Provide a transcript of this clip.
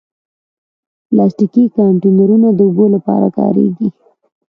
پلاستيکي کانټینرونه د اوبو لپاره کارېږي.